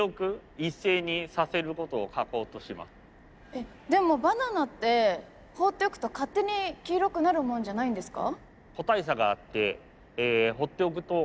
えっでもバナナってほっておくと勝手に黄色くなるもんじゃないんですか？